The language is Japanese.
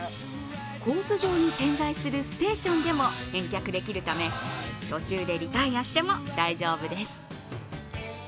コース上に点在するステーションでも返却できるため途中でリタイアしても大丈夫です。